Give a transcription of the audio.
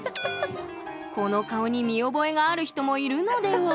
この顔に見覚えがある人もいるのでは？